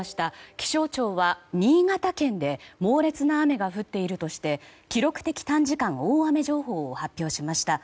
気象庁は新潟県で猛烈な雨が降っているとして記録的短時間大雨情報を発表しました。